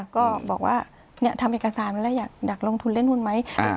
ก็บอกว่าเนี้ยทำเอกสารแล้วอยากดักลงทุนเล่นหุ้นไหมอ่า